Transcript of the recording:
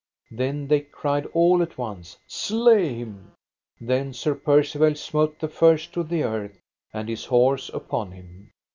Then they cried all at once: Slay him. Then Sir Percivale smote the first to the earth and his horse upon him.